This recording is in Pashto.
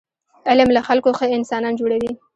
علم له خلکو ښه انسانان جوړوي.